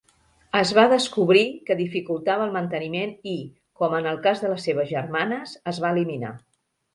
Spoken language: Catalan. Es va descobrir que dificultava el manteniment i, com en el cas de les seves germanes, es va eliminar.